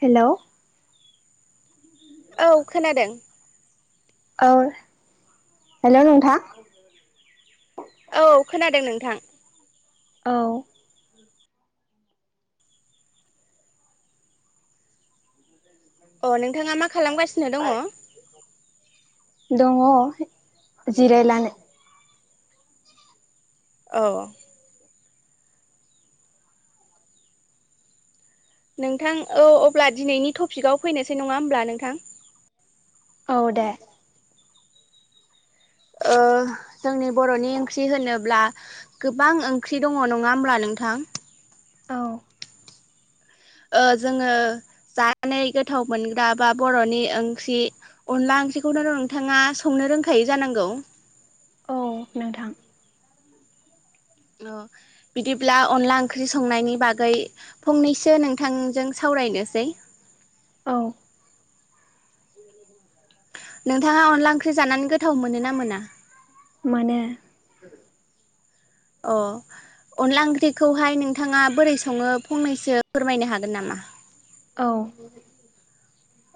हेल'। औ खोनादों औ हेल' नोंथां औ खोनादों नोंथां औ अ नोंथाङा मा खालामगासिनो दङ दङ जिरायनानै औ नोंथां औ अब्ला दिनैनि टपिकआव फैनोसै नङा होमब्ला नोंथां औ दे जोंनि बर'नि ओंख्रि होनोब्ला गोबां ओंख्रि दङ नङा होमब्ला नोंथां औ जोङो जानाय गोथाव मोनग्रा बा बर'नि ओंख्रि अनला ओंख्रिखौथ नोंथाङा संनो रोंखायै जानांगौ औ नोंथां बिदिब्ला अनला ओंख्रि संनायनि बागै फंनैसो नोंथांजों सावरायनोसै औ नोंथाङा अनला ओंख्रि जानानै गोथाव मोनो ना मोना मोनो अ अनला ओंख्रिखौहाय नोंथाङा बोरै सङो फंनैसो फोरमायनो हागोन नामा औ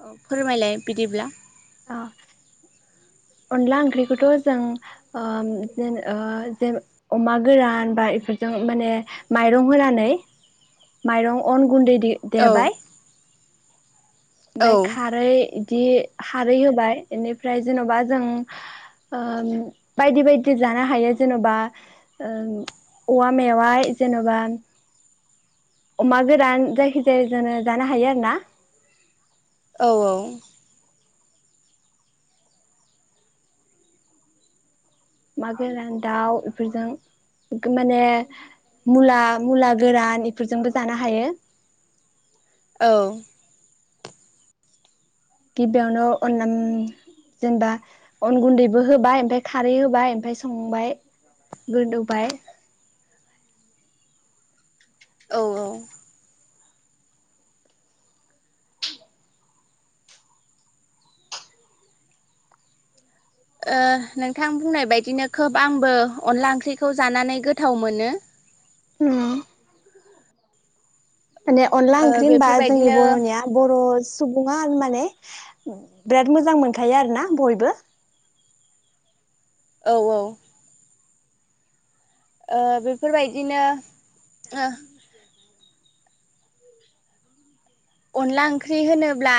औ फोरमायलाय बिदिब्ला अनला ओंख्रिखौथ' जों ज अमा गोरान बा इफोरजों माने माइरं होनानै माइरं अन गुन्दै द दे औ बाय औ फ्राय खारै बिदि खारै होबाय बेनिफ्राय जेन'बा जों बायदि बायदि जानो हायो जेन'बा औवा मेवाय जेन'बा अमा गोरान जायखिजाया जोङो जानो हायो आरो ना औ औ मा गोरान दाउ बेफोरजों माने मुला मुला गोरान इफोरजोंबो जानो हायो औ गिबियावनो अनला जेनेबा अन गुन्दैबो होबाय ओमफ्राय खारै होबाय ओमफ्राय संबाय गोदौबाय औ औ नोंथां बुंनाय बायदिनो खोब आंबो अनला ओंख्रिखौ जानानै गोथाव मोनो औ माने अनला ओ ओंख्रि होनबा जोंनि बेफोरबायदिनो बर'निया बर' सुबुङा माने बिराद मोजां मोनखायो आरो ना बयबो औ औ बेफोरबायदिनो अनला ओंख्रि होनोब्ला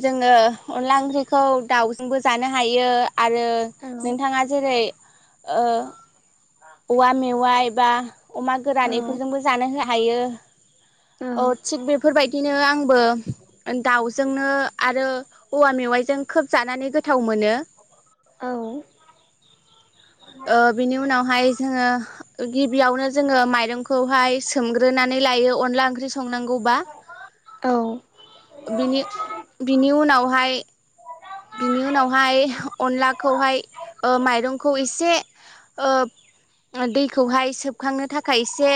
जोङो अनला ओंख्रिखौ दाउजोंबो जानो हायो आरो नोंथाङा जेरै ओ औवा मेवाइ बा अमा औ गोरान औ बेफोरजोंबो जानो हायो औ अ थिग बेफोरबायदिनो आंबो दाउजोंनो ओ आरो औवा मेवाइजों खोब जानानै गोथाव मोनो ओ बिनि उनावहाय जोङो गिबियावनो जोङो माइरंखौहाय सोमग्रोनानै लायो अनला ओंख्रि संनांगौबा औ बिनि उनावहाय बिनि उनावहाय अनलाखौहाय ओ माइरंखौ एसे ओ दैखौहाय सोबखांनो थाखाय एसे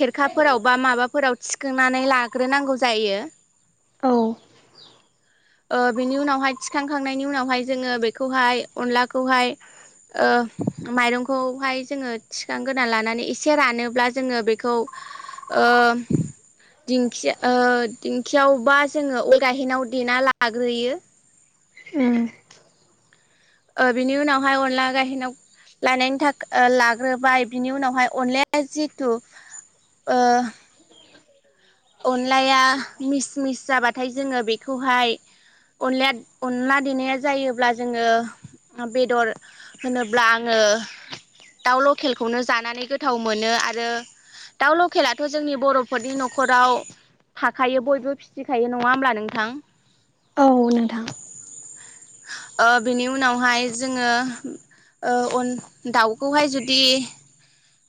खेरखाफोराव बा माबाफोराव थिखांनानै लाग्रोनांगौ जायो औ ओ बिनि उनावहाय थिखां खांनायनि उनावहाय जोङो बेखौहाय अनलाखौहाय ओ माइरंखौहाय जोङो थिखांग्रोना लानानै एसे रानोब्ला जोङो बेखौ ओ दिंखि ओ दिंखियावबा जोङो उवाल गाहेनाव देना ला - - आग्रोयो ओम ओ बिनि उनावहाय अनला गाहेनाव लायनायनि थाखाय ओ लाग्रोबाय बिनि उनावहाय अनलाया जितु ओ अनलाया मिस मिस जाबाथाय जोङो बेखौहाय अनलाया अनला देनाया जायोब्ला जोङो बेदर होनोब्ला आङो दाउ लकेलखौनो जानानै गोथाव मोनो आरो दाउ लकेलाथ' जोंनि बर'फोरनि न'खर न'खराव थाखायो बयबो फिसिखायो नङा होमब्ला नोंथां औ नोंथां ओ बिनि उनावहाय जोङो ओ अन दाउखौहाय जुदि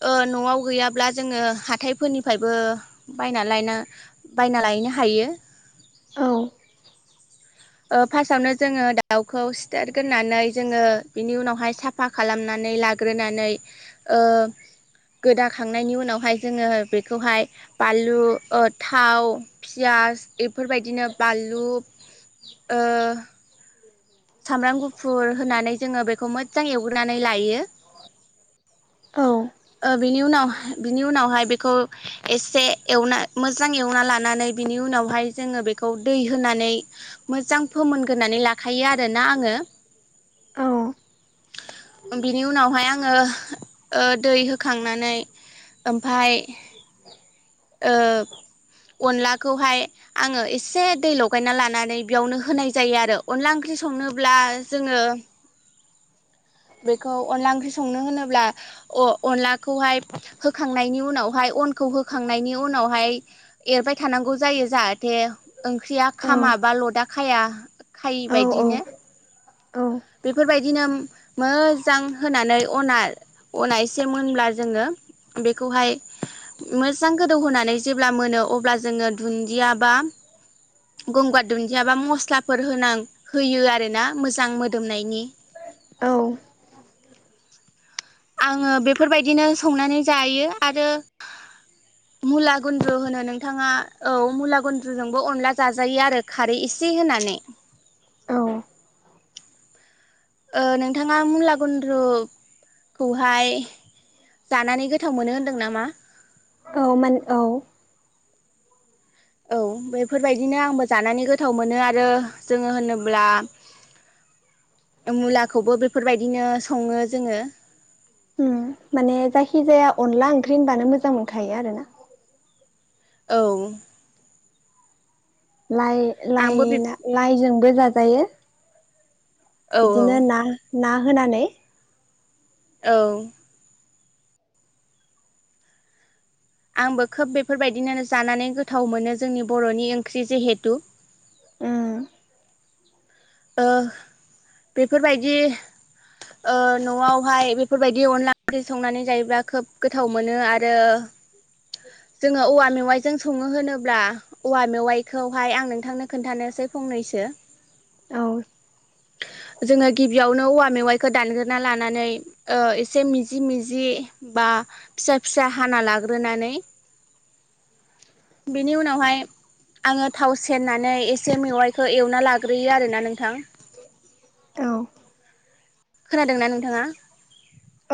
ओ न'आव गैयाब्ला जोङो हाथाय फोरनिफ्रायबो बायना लायनो - बायना लायनो हायो औ ओ फार्स्टआवनो जोङो दाउखौ सिथारग्रोनानै जोङो बिनि उनावहाय साफा खालामनानै लाग्रोनानै ओ गोदाखांनायनि उनावहाय जोङो बेखौहाय बानलु ओ थाव फियास एफोरबायदिनो बानलु ओ सामब्राम गुफुर होनानै जोङो बेखौ मोजां एवग्रोनानै लायो औ ओ बिनि उनावहा बिनि उनावहाय बेखौ एसे एवना मोजां एवना लानानै बिनि उनावहाय जोङो बेखौ दै होनानै मोजां फोमोनग्रोनानै लाखायो देना आङो बिनि उनावहाय आं आङो ओ दै हो खांनानै ओमफाय ओ अनलाखौहाय आङो एसे दै लगायना लानानै बेयावनो होनाय जायो आरो अनला ओंख्रि संनोब्ला जोङो बेखौ अनला ओंख्रि संनो होनोब्ला अ अनलाखौहाय होखांनायनि उनावहाय अनखौ होखांनायनि उनावहाय एरबाय थानांगौ जायो जाहाथे ओंख्रिया औ खामा बा लदा खाया- औ खायिबायदिनो औ बेफोरबायदिनो मोजां होनानै अना-अना एसे मोनब्ला जोङो बेखौहाय मोजां गोदौहोनानै जेब्ला मोनो अब्ला जोङो दुन्दिया बा गंगार दुन्दिया बा मस्लाफोर होनां होयो आरोना मोजां मोदोमनायनि । औ आङो बेफोरबायदिनो संनानै जायो आरो मुला गुन्द्रु होनो नोंथाङा औ मुला गुन्द्रुजोंबो अनला जाजायो आरो खारै एसे होनानै । औ ओ नोंथाङा मुला गुन्द्रु खौहाय जानानै गोथाव मोनो होनदों नामा? औ मोन औ औ बेफोरबायदिनो आंबो जानानै गोथाव मोनो आरो जोङो होनोब्ला मुलाखौबो बेफोरबायदिनो सङो जोङो उम माने जायखि जाया अनला ओंख्रि होनबानो मोजां मोनखायो आरो ना औ आंबो बे लाइ-लाइ-लाइजोंबो जा जायो औ इदिनो ना ना होनानै औ आंबो खोब बेफोरबायदिनो जानानै गोथाव मोनो जोंनि बर'नि ओंख्रि जेहेतु उ ओ बेफोरबायदि ओ न'आवहाय बेफोरबायदि अनला ओंख्रि संनानै जायोब्ला खोब गोथाव मोनो आरो जोङो औवा मेवाइजों सङो होनोब्ला औवा मेवाइखौहाय आं नोंथांनो खोन खोनन्थानोसै फंनैसो औ जोङो गिबियावनो औवा मेवाइखौ दानग्रोना लानानै ओ एसे मिजि मिजि बा फिसा फिसा हाना लाग्रोनानै बिनि उनावहाय आङो थाव सेरनानै एसे मेवाइखौ एवना लाग्रो गैया आरोना नोंथां औ खोनादोंना नोंथांङा?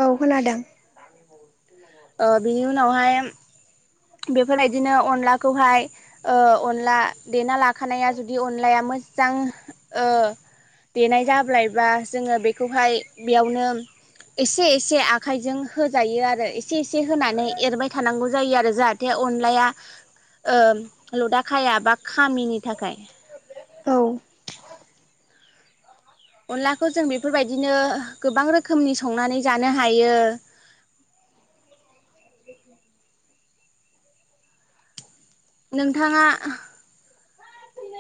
औ खोनादों। बिनि उनावहाय बेफोरबायदिनो अनलाखौहाय ओ अनला देना लाखानाया जुदि अनलाया मोजां ओ देनाय जाब्लायबा जोंङो बेखौहाय बेयावनो एसे एसे आखाइजों होजायो आरो एसे एसे होनानै एरबाय थानांगौ जायो आरो जाहाथे जाहाथे अनलाया लदाखाया बा खामिनि थाखाय। औ अनलाखौ जों बेफोरबायदिनो गोबां रोखोमनि संनानै जानो हायो। नोंथाङा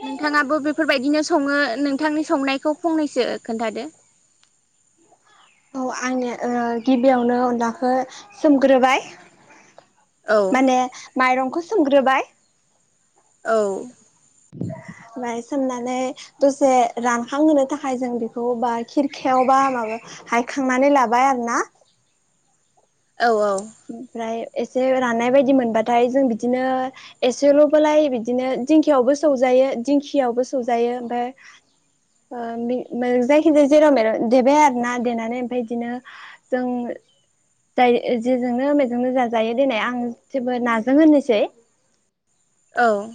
नोंथाङाबो बेफोरबायदिनो संङो नोंथांनि संनायखौ फंनैसो खोन्थादो। औ आंनो ओ गिबियावनो अनलाखौ सोमग्रोबाय औ माने माइरंखौ सोमग्रोबाय। औ ओमफ्राय सोमनानै दसे रानखां होनो थाखाय जों बेखौ बा खिरखायावबा माबा हायखांनानै लाबाय आरोना औ ओमफ्राय एसे राननाय बायदि मोनबाथाय जों बिदिनो एसेल'बोलाय बिदिनो दिंखियावबो सौजायो दिंखियावबो सौजायो ओमफ्राय ओ बि जायखिजाया जेराव मेराव देबाय आरोना देनानै ओमफ्राय बिदिनो जों जाय जेजोंनो मेजोंनो जाजायो दिनाय आं जेबो नाजों होननोसै। औ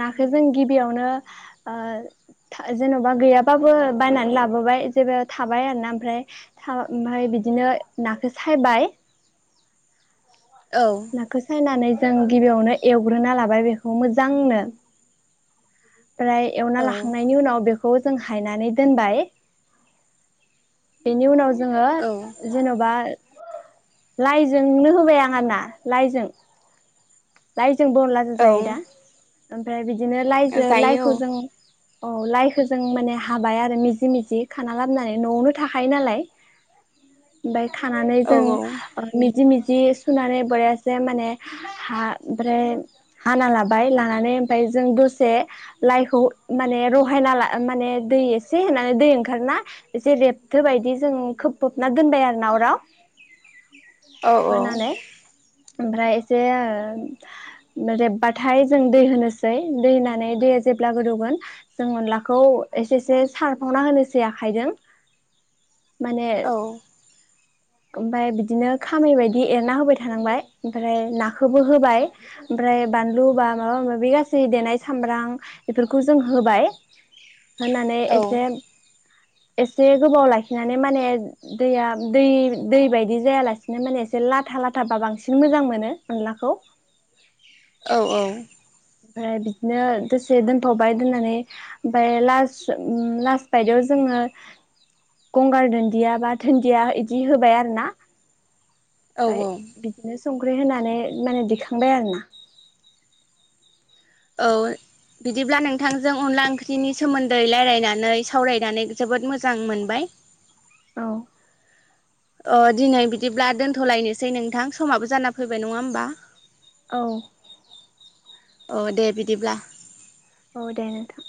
नाखौ जों गिबियावनो ओ जेन'बा गैयाबाबो बायनानै लाबोबाय जेबो थाबाय आरोना ओमफ्राय ओमफ्राय बिदिनो नाखौ सायबाय औ नाखौ सायनानै जों गिबियावनो एवग्रोना लाबाय बेखौ मोजांनो ओमफ्राय एवना औ लाखांनायनि उनाव बे खौ जों हायनानै दोनबाय। बेनि उनाव जोंङो जेन'बा लाइजोंनो होबाय आं आरो ना लाइजों लाइ जोंबो अनलाजो औ जायो दा? ओमफ्राय बिद बिदिनो लाइजों जायो लाइखौ जों औ लाइखौ जों माने हाबाय आरो मिजि मिजि खाना लाबानै न'आवनो थाखायो नालाय ओमफ्राय खानानै औ औ जों मिजि मिजि जि सुनानै बरियासे माने हा ओमफ्राय हाना लाबाय लानानै ओमफ्राय जों दसे लाइखौ माने रहायना ला माने दै एसे होनानै दै ओंखारोना एसे रेब गोबायदि जों खोबफबना दोनबाय आरो ना अराव। औ औ होनानै ओमफ्राय एसे ओ रेबबाथाय जों दै होनोसै दै होनानै दैया जेब्ला गोदौगोन जों अनलाखौ एसे एसे सारफावना होनोसै आखाइजों माने। ओमफ्राय बिदिनो खामै बायदि एरना होबाय थानांबाय ओमफ्राय नाखौबो होबाय ओमफ्राय बानलु बा माबा माबि गासै देनाय सामब्राम बेफोरखौ जों होबाय होनानै औ एसे एसे गोबाव लाखिनानै माने दैया दै दै बायदि जायालासिनो माने एसे लाथा लाथाबा बांसिन मोजां मोनो अनलाखौ। औ औ ओमफ्राय बिदिनो दसे दोनथ'बाय दोननानै ओमफ्राय लास लास बायदियाव जोङो गंगार दुन्दिया बा दुन्दिया इदि होबाय आरोना। फाय औ औ बिदि संख्रि होनानै माने दिखांबाय आरोना। औ बिदिब्ला नोंथांजों अनला ओंख्रिनि सोमोन्दै रायलायनानै सावरायनानै जोबोद मोजां मोनबाय। औ अ दिनै बिदिब्ला दोनथ'लायनोसै नोंथां समाबो जाना फैबाय नङा होमबा? औ अ दे बिदिब्ला। औ दे नोंथां।